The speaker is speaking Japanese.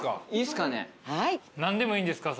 何でもいいんですか？